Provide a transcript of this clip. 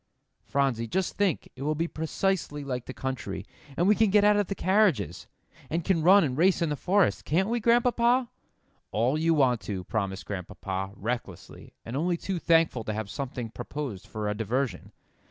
"Phronsie, just think it will be precisely like the country, and we can get out of the carriages, and can run and race in the forest. Can't we, Grandpapa?" "All you want to," promised Grandpapa, recklessly, and only too thankful to have something proposed for a diversion.